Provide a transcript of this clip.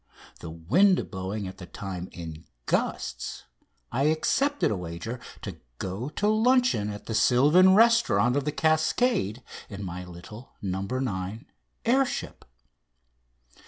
the wind blowing at the time in gusts, I accepted a wager to go to luncheon at the sylvan restaurant of "The Cascade" in my little "No. 9" air ship.